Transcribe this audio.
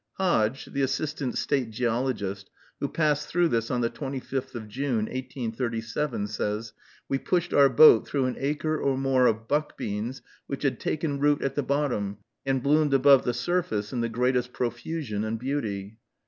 Hodge, the Assistant State Geologist, who passed through this on the 25th of June, 1837, says, "We pushed our boat through an acre or more of buck beans, which had taken root at the bottom, and bloomed above the surface in the greatest profusion and beauty."